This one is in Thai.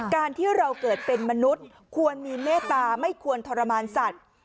การที่เราเกิดเป็นมนุษย์ควรมีเมตตาไม่ควรทรมานสัตว์